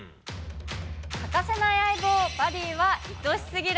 欠かせない相棒バディは愛し過ぎる